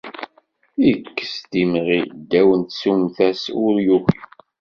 Yekkes-d imɣi ddaw n tsumta-s ur yuki.